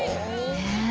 ねえ。